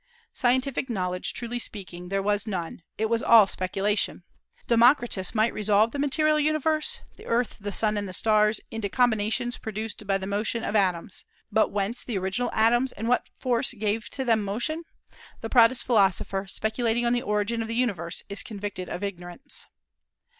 Scientific knowledge, truly speaking, there was none. It was all speculation. Democritus might resolve the material universe the earth, the sun, and the stars into combinations produced by the motion of atoms. But whence the original atoms, and what force gave to them motion? The proudest philosopher, speculating on the origin of the universe, is convicted of ignorance.